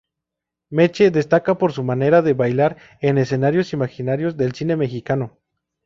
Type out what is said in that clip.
Meche destaca por su manera de bailar en escenarios imaginarios del Cine Mexicano.